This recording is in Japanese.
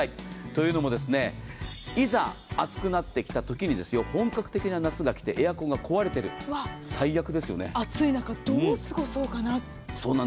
というのも、いざ暑くなってきたときに本格的な夏がきてエアコンが壊れている、暑い中、どう過ごそうかな。